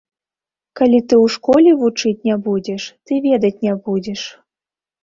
Калі ты ў школе вучыць не будзеш, ты ведаць не будзеш.